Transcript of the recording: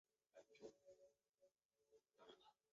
该建筑被列入瑞士国家和区域重要文化财产名录。